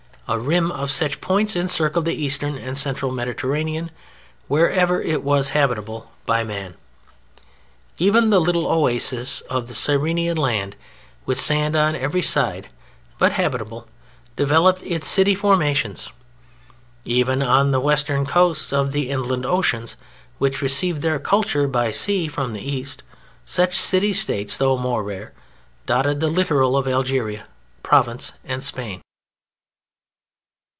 A rim of such points encircled the eastern and central Mediterranean wherever it was habitable by man. Even the little oasis of the Cyrenæan land with sand on every side, but habitable, developed its city formations. Even on the western coasts of the inland ocean, which received their culture by sea from the East, such City States, though more rare, dotted the littoral of Algeria, Provence and Spain.